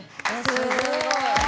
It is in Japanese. すごい！